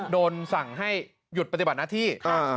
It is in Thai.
โดนสั่งให้หยุดปฏิบัติหน้าที่